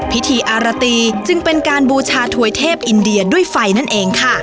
พิธีอารตีจึงเป็นการบูชาถวยเทพอินเดียด้วยไฟนั่นเองค่ะ